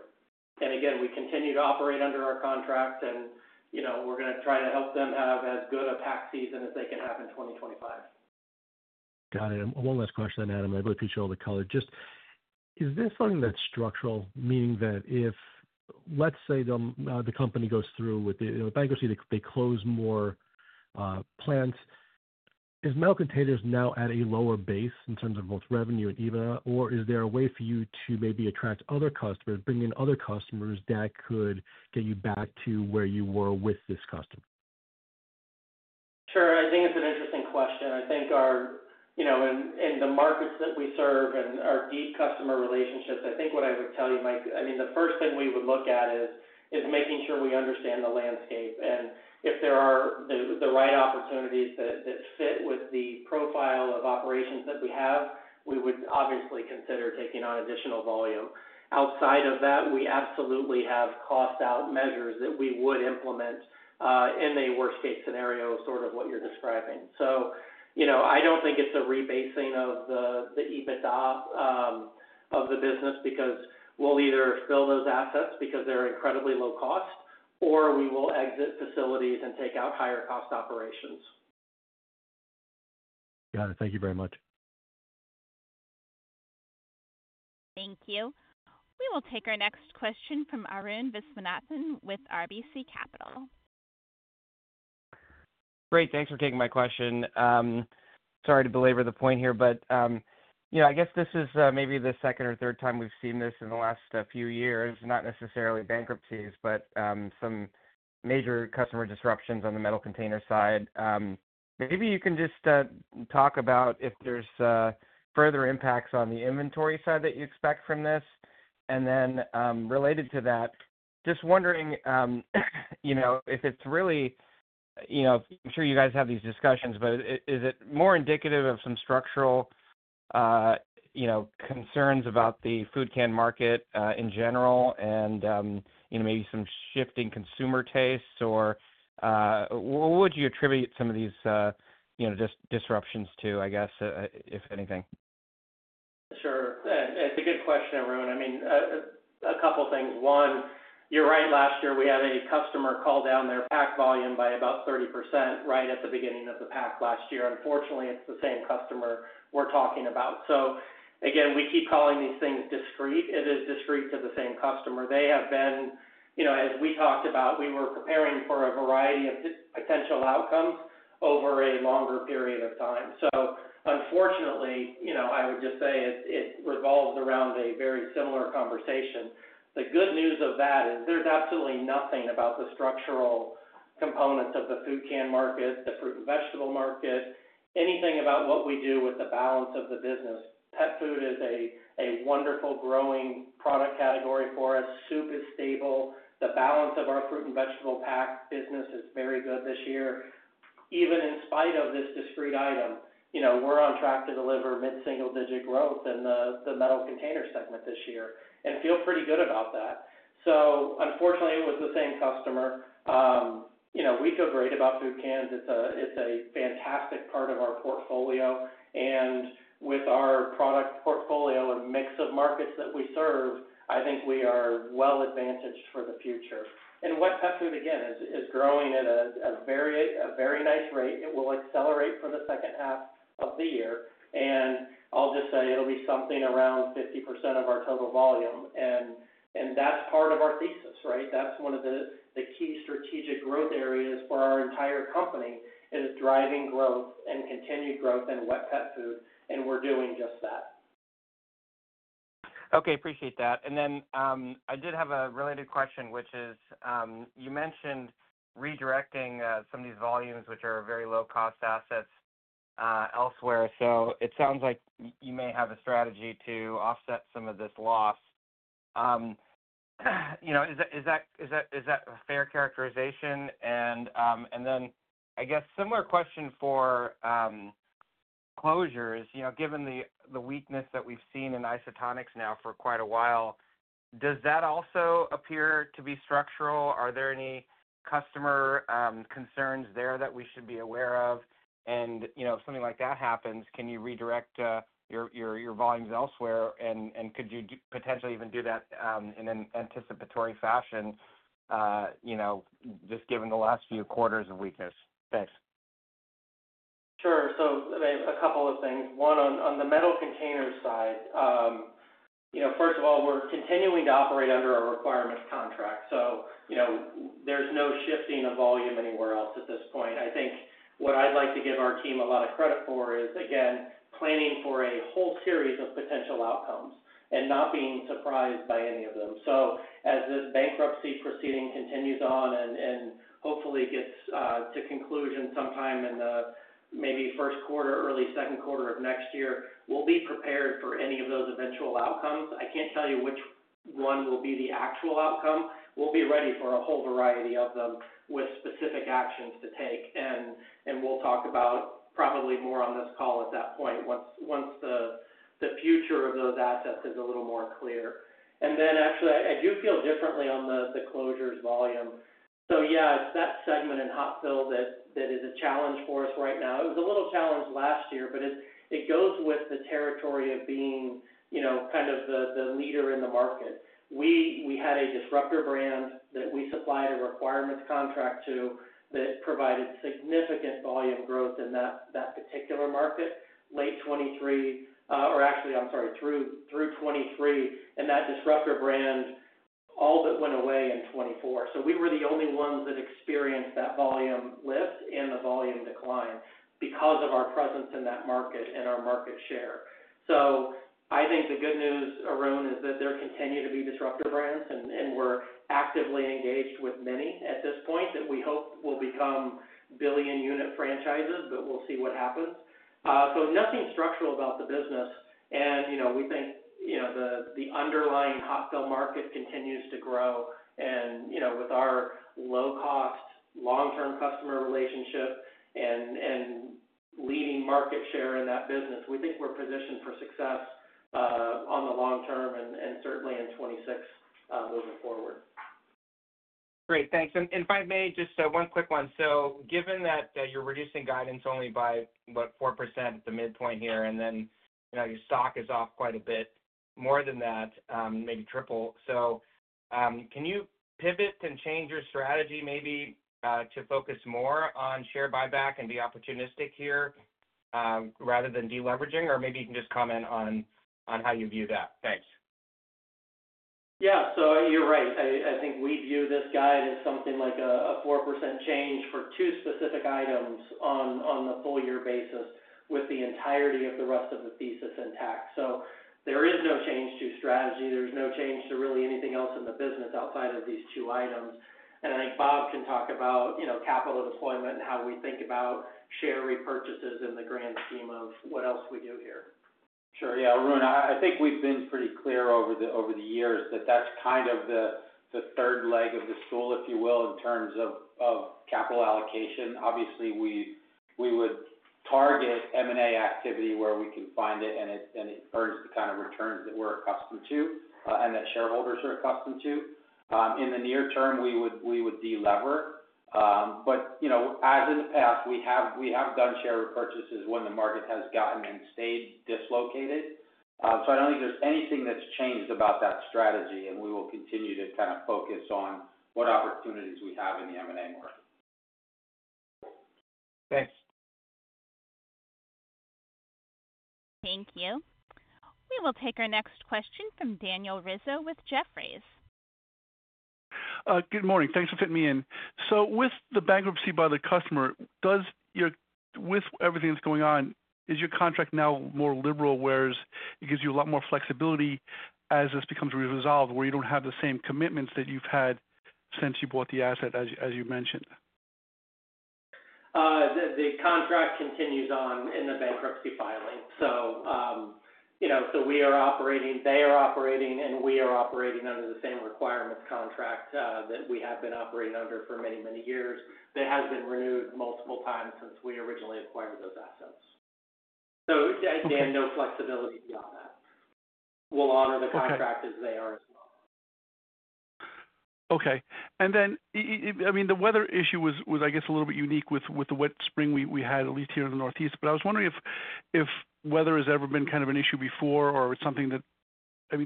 Again, we continue to operate under our contract and, you know, we're going to try to help them have as good a tax season as they can have in 2025. Got it. One last question, Adam. I really appreciate all the color. Is this something that's structural, meaning that if, let's say, the company goes through with the bankruptcy, they close more plants? Is Metal Containers now at a lower base in terms of both revenue and EBITDA, or is there a way for you to maybe attract other customers, bring other customers that could get you back to where you were with this customer? Sure, I think it's an interesting question. I think in the markets that we serve and our deep customer relationships, what I would tell you, Mike, the first thing we would look at is making sure we understand the landscape. If there are the right opportunities that fit with the profile of operations that we have, we would obviously consider taking on additional volume. Outside of that, we absolutely have cost out measures that we would implement in a worst case scenario, sort of what you're describing. I don't think it's a rebasing of the EBITDA of the business because we'll either fill those assets because they're incredibly low cost, or we will exit facilities and take out higher cost operations. Got it. Thank you very much. Thank you. We will take our next question from Arun Viswanathan with RBC Capital. Great, thanks for taking my question. Sorry to belabor the point here, but I guess this is maybe the second or third time we've seen this in the last few years. Not necessarily bankruptcies, but some major customer disruptions on the Metal Container side. Maybe you can just talk about if there's further impacts on the inventory side that you expect from this, and then related to that, just wondering if it's really. I'm sure you guys have these discussions, but is it more indicative of some structural concerns about the food can market in general and maybe some shifting consumer tastes, or what would you attribute some of these disruptions to? I guess if anything, sure. It's a good question, Arun. I mean a couple things. One, you're right. Last year we had a customer call down their pack volume by about 30% right at the beginning of the pack last year. Unfortunately, it's the same customer we're talking about. We keep calling these things discrete. It is discrete to the same customers they have been. As we talked about, we were preparing for a variety of potential outcomes over a longer period of time. I would just say it revolves around a very similar conversation. The good news of that is there's absolutely nothing about the structural components of the food can market, the fruit and vegetable market, anything about what we do with the balance of the business. Pet food is a wonderful growing product category for us. Soup is stable. The balance of our fruit and vegetable pack business is very good this year, even in spite of this discrete item. We're on track to deliver mid-single digit growth in the Metal Containers segment this year and feel pretty good about that. Unfortunately, it was the same customer. We feel great about soup cans. It's a fantastic part of our portfolio and with our product portfolio and mix of markets that we serve, I think we are well advantaged for the future. Wet Pet Food again is growing at a very nice rate. It will accelerate for the second half of the year and I'll just say it'll be something around 50% of our total volume. That's part of our thesis, right? That's one of the key strategic growth areas for our entire company is driving growth and continued growth in Wet Pet Food. We're doing just that. Okay, appreciate that. I did have a related question, which is you mentioned redirecting some of these volumes, which are very low cost assets, elsewhere. It sounds like you may have a strategy to offset some of this loss. Is that a fair characterization? I guess similar question for closures. Given the weakness that we've seen in isotonics now for quite a while, does that also appear to be structural? Are there any customer concerns there that we should be aware of? If something like that happens, can you redirect your volumes elsewhere, and could you potentially even do that in an anticipatory fashion, just given the last few quarters of weakness? Thanks. Sure. A couple of things. One on the Metal Container side, first of all, we're continuing to operate under a requirements contract. There's no shifting of volume anywhere else at this point. I think what I'd like to give our team a lot of credit for is again planning for a whole series of potential outcomes and not being surprised by any of them. As this bankruptcy proceeding continues on and hopefully gets to conclusion sometime in the maybe first quarter, early second quarter of next year, we'll be prepared for any of those eventual outcomes. I can't tell you which one will be the actual outcome. We'll be ready for a whole variety of them with specific actions to take and we'll talk about probably more on this call at that point once the future of those assets is a little more clear. Actually, I do feel differently on the closures volume. It's that segment in hot fill that is a challenge for us right now. It was a little challenged last year, but it goes with the territory of being kind of the leader in the market. We had a disruptor brand that we supplied a requirements contract to that provided significant volume growth in that particular market late 2023 or actually, I'm sorry, through 2023. That disruptor brand all but went away in 2024. We were the only ones that experienced that volume lift and the volume decline because of our presence in that market and our market share. I think the good news, Arun, is that there continue to be disruptor brands and we're actively engaged with many at this point that we hope will become billion unit franchises. We'll see what happens. Nothing structural about the business and we think the underlying hot fill market continues to grow and with our low cost, long term customer relationship and leading market share in that business. We think we're positioned for success on the long term and certainly in 2024 moving forward. Great, thanks. If I may, just one quick one. Given that you're reducing guidance only by what, 4% at the midpoint here and then your stock is off quite a bit more than that, maybe triple, can you pivot and change your strategy maybe to focus more on share buyback and be opportunistic here rather than deleveraging? Maybe you can just comment on how you view that. Thanks. Yeah, so you're right. I think we view this guide as something like a 4% change for two specific items on the full year basis with the entirety of the rest of the thesis intact. There is no change to strategy, there's no change to really anything else in the business outside of these two items. I think Bob can talk about capital deployment and how we think about share repurchases in the grand scheme of what else we do here. Sure. Yeah. Arun, I think we've been pretty clear over the years that that's kind of the third leg of the stool, if you will, in terms of capital allocation. Obviously, we would target M&A activity where we can find it and it earns the kind of returns that we're accustomed to and that shareholders are accustomed to. In the near term, we would delever. As in the past, we have done share repurchases when the market has gotten and stayed dislocated. I don't think there's anything that's changed about that strategy. We will continue to kind of focus on what opportunities we have in. The M&A market. Thanks. Thank you. We will take our next question from Daniel Rizzo with Jefferies. Good morning. Thanks for fitting me in. With the bankruptcy by the customer, with everything that's going on, is your contract now more liberal, whereas it gives you a lot more flexibility as this becomes resolved where you don't have the same commitments that you've had since you bought the asset, as you mentioned. The contract continues on in the bankruptcy filing. We are operating, they are operating, and we are operating under the same requirements contract that we have been operating under for many, many years that has been renewed multiple times since we originally acquired those assets. Dan, no flexibility beyond that. We'll honor the contract as they are as well. Okay. The weather issue was, I guess, a little bit unique with the wet spring we had at least here in the Northeast. I was wondering if weather has ever been kind of an issue before or if it's something that,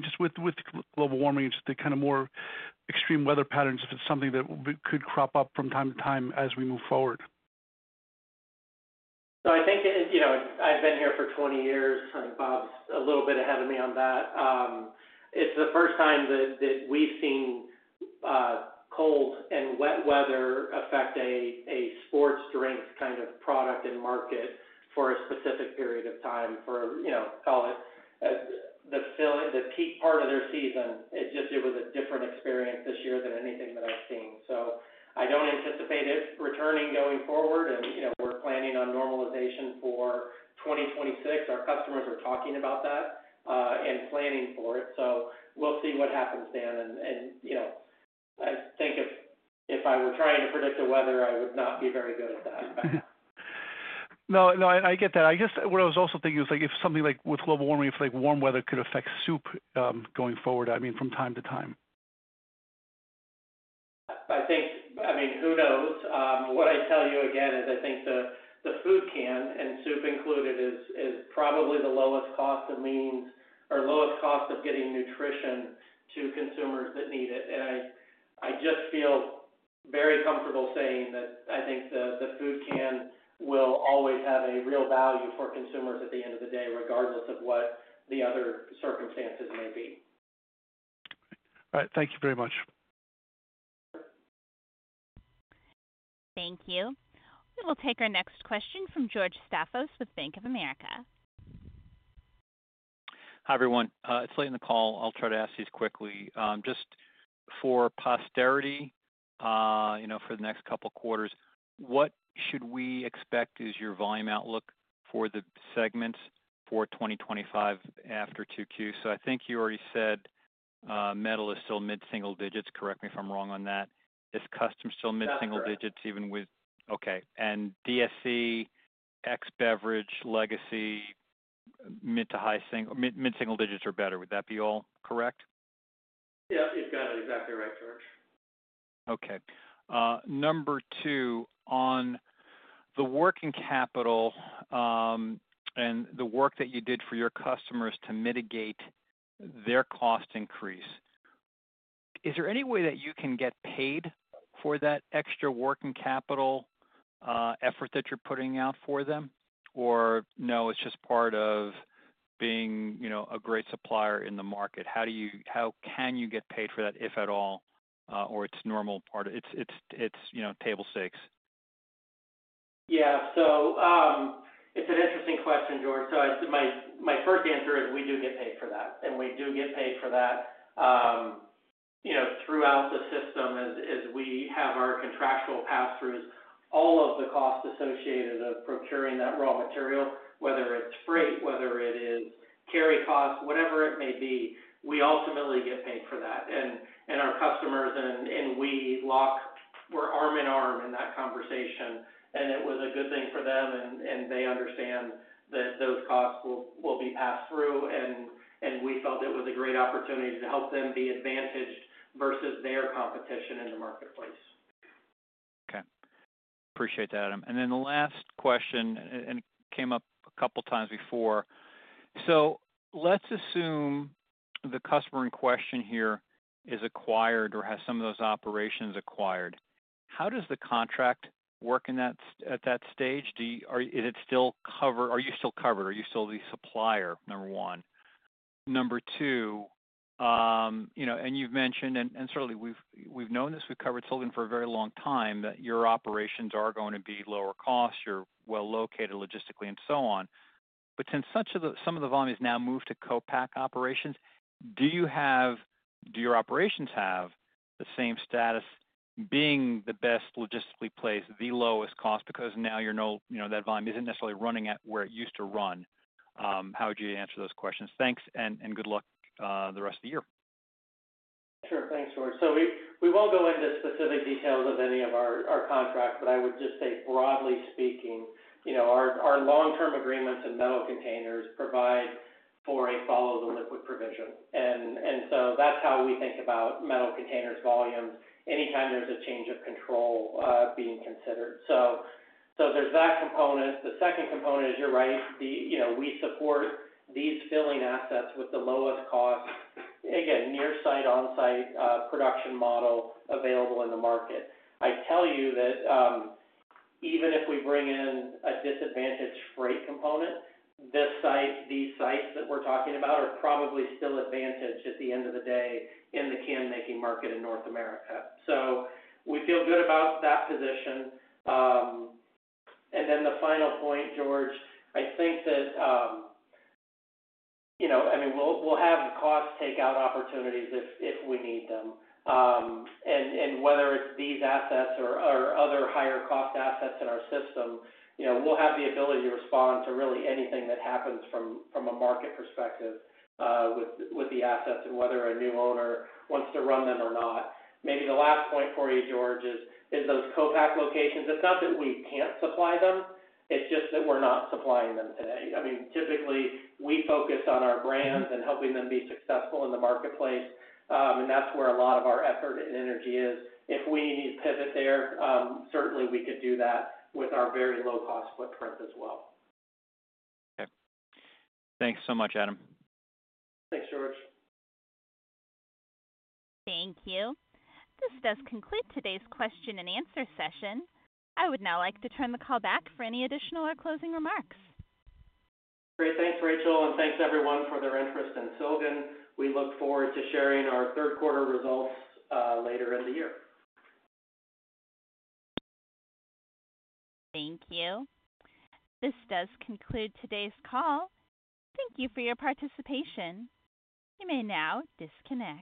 just with global warming and the kind of more extreme weather patterns, could crop up from time to time as we move forward. I think I've been here for 20 years. I think Bob's a little bit ahead of me on that. It's the first time that we've seen cold and wet weather affect a sports drinks kind of product and market for a specific period of time, for, you know, call it the peak part of their season. It just, it was a different experience this year than anything that I've seen. I don't anticipate it returning going forward. We're planning on normalization for 2026. Our customers are talking about that and planning for it. We'll see what happens, Dan. I think if I were trying to predict the weather, I would not be very good at that. No, I get that. I guess what I was also thinking was, if something like with global warming, if warm weather could affect soup going forward, I mean, from time to time. I think, I mean, who knows. What I tell you again is I think the food can, and soup included, is probably the lowest cost of means or lowest cost of getting nutrition to consumers that need it. I just feel very comfortable saying that I think the food can will always have a real value for consumers at the end of the day, regardless of what the other circumstances may be. All right, thank you very much. Thank you. We will take our next question from George Staphos with Bank of America. Hi everyone. It's late in the call. I'll try to ask these quickly just for posterity for the next couple quarters. What should we expect is your volume outlook for the segments for 2025 after 2Q? I think you already said metal is still mid-single digits. Correct me if I'm wrong on that. Is custom mid-single digits, even with, okay, and Dispensing and Specialty Closures ex Beverage Legacy mid to high single? Mid-single digits or better. Would that be all correct? Yep, you've got it exactly right, George. Okay, number two on the working capital and the work that you did for your customers to mitigate their cost increase, is there any way that you can get paid for that extra working capital effort that you're putting out for them, or no, it's just part of being a great supplier in the market. How can you get paid for that, if at all? Or it's normal part, it's table stakes. Yeah, it's an interesting question, George. My first answer is we do get paid for that, and we do get paid for that throughout the system as we have our contractual pass-throughs. All of the costs associated with procuring that raw material, whether it's freight, whether it is carry cost, whatever it may be, we ultimately get paid for that. Our customers and we were arm in arm in that conversation, and it was a good thing for them. They understand that those costs will be passed through, and we felt it was a great opportunity to help them be advantaged versus their competition in the marketplace. Okay, appreciate that, Adam. The last question came up a couple times before. Let's assume the customer in question here is acquired or has some of those operations acquired. How does the contract work at that stage? Is it still covered? Are you still covered? Are you still the supplier, number one? Number two, you've mentioned, and certainly we've known this, we've covered Silgan for a very long time, that your operations are going to be lower cost, you're well located logistically and so on. Since some of the volumes now move to co-pack operations, do your operations have the same status being the best logistically placed, the lowest cost? Now you know that volume isn't necessarily running at where it used to run. How would you answer those questions? Thanks and good luck the rest of the year. Sure. Thanks, George. We won't go into specific details of any of our contracts, but I would just say broadly speaking, our long-term agreements in Metal Containers provide for a follow-the-liquid provision. That's how we think about Metal Containers volumes anytime there's a change of control being considered. There's that component. The second component is, you're right, we support these filling assets with the lowest cost, again, near-site, on-site production model available in the market. I tell you that even if we bring in a disadvantaged freight component, these sites that we're talking about are probably still advantaged at the end of the day in the can making market in North America. We feel good about that position. The final point, George, I think that we'll have cost takeout opportunities if we need them. Whether it's these assets or other higher cost assets in our system, we'll have the ability to respond to really anything that happens from a market perspective with the assets and whether a new owner wants to run them or not. Maybe the last point for you, George, is those co-pack locations. It's not that we can't supply them, it's just that we're not supplying them today. Typically, we focus on our brands and helping them be successful in the marketplace, and that's where a lot of our effort and energy is. If we need to pivot there, certainly we could do that with our very low cost footprint as well. Thanks so much, Adam. Thanks, George. Thank you. This does conclude today's question and answer session. I would now like to turn the call back for any additional or closing remarks. Great. Thanks, Rachel. Thank you, everyone, for your interest in Silgan. We look forward to sharing our third quarter results later in the year. Thank you. This does conclude today's call. Thank you for your participation. You may now disconnect.